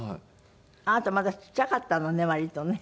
あなたまだちっちゃかったのね割とね。